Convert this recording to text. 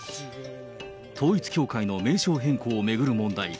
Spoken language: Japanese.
統一教会の名称変更を巡る問題。